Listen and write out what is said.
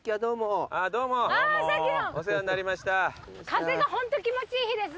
風がホント気持ちいい日ですね。